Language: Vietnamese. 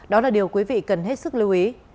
đó là điều quý vị cần hết sức lưu ý